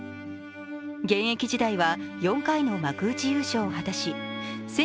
現役時代は４回の幕内優勝を果たし